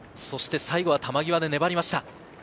そして最後は球際で粘りました。